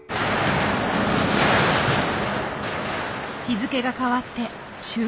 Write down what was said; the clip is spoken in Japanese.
日付が変わって終電。